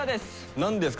何ですか？